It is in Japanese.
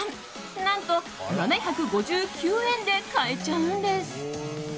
何と７５９円で買えちゃうんです。